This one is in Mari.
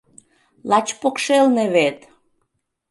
Лач покшелне вет!